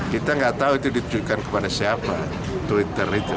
kita nggak tahu itu ditujukan kepada siapa twitter itu